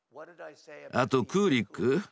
あとクーリック？